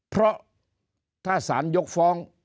เพราะถ้าสารยกฟ้อง